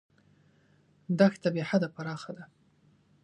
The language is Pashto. دښته بېحده پراخه ده.